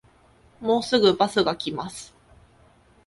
もうすぐバスが来ます